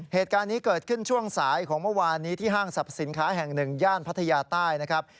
เหตุการณ์นี้เกิดขึ้นช่วงสายของเมื่อวานนี้ที่ห้างสรรพสินค้าแห่งหนึ่งย่านพัทยาใต้นะครับ